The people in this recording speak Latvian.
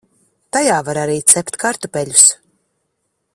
Tajā var arī cept kartupeļus.